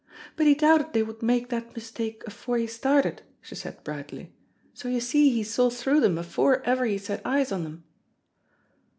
"But he doubted they would make that mistake afore he started, she said brightly, so you see he saw through them afore ever he set eyes on them."